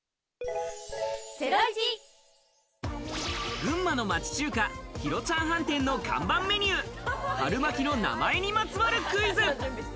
群馬の町中華・広ちゃん飯店の看板メニュー、春巻きの名前にまつわるクイズ。